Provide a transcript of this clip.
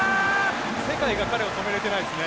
世界が彼を止めれてないですね。